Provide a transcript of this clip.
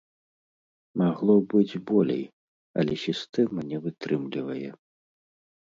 Магло быць болей, але сістэма не вытрымлівае.